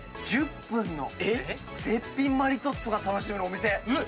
絶品マリトッツォが楽しめるお店。